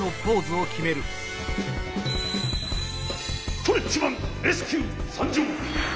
ストレッチマン☆レスキューさんじょう！